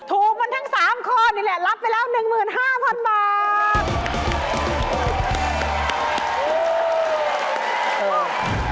ถูกมันทั้ง๓ข้อนี่แหละรับไปแล้ว๑๕๐๐๐บาท